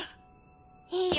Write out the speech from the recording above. いいよ。